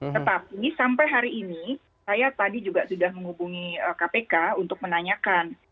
tetapi sampai hari ini saya tadi juga sudah menghubungi kpk untuk menanyakan